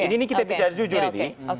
ini kita bicara jujur ini